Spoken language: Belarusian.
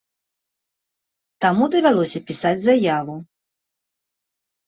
Таму давялося пісаць заяву.